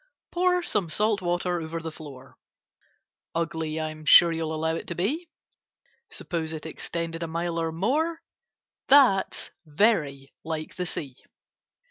Pour some salt water over the floor— Ugly I'm sure you'll allow it to be: Suppose it extended a mile or more, That's very like the Sea.